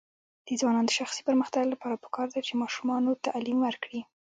د ځوانانو د شخصي پرمختګ لپاره پکار ده چې ماشومانو تعلیم ورکړي.